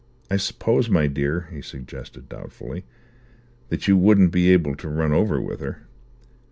I suppose, my dear," he suggested doubtfully, "that you wouldn't be able to run over with her?"